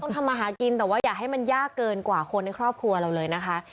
ทำมาหากินแต่ว่าอย่าให้มันยากเกินกว่าคนในครอบครัวเราเลยนะคะ